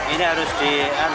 ini harus di